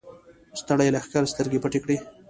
ستړي لښکر سترګې پټې کړې.